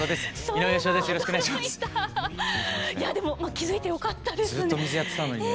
気付いてよかったですね。